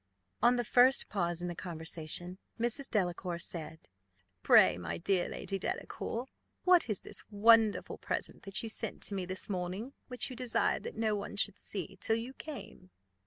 On the first pause in the conversation, Mrs. Delacour said, "Pray, my dear Lady Delacour, what is this wonderful present that you sent to me this morning, which you desired that no one should see till you came?"